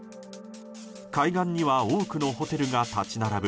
海岸には多くのホテルが立ち並ぶ